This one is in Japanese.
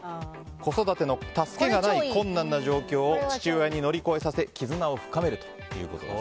子育ての助けがない困難な状況を父親に乗り越えさせ絆を深めるということです。